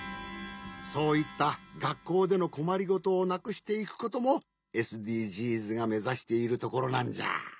そういったがっこうでのこまりごとをなくしていくこともＳＤＧｓがめざしているところなんじゃ。